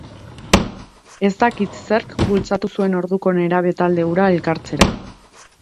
Ez dakit zerk bultzatu zuen orduko nerabe talde hura elkartzera.